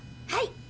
はい。